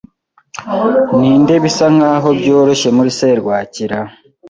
Ninde bisa nkaho byoroshye muri serwakira